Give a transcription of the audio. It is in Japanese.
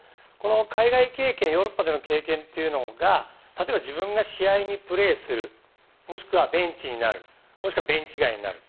海外経験ヨーロッパでの経験というのが例えば自分が試合でプレーするもしくはベンチになるもしくはベンチ外になる。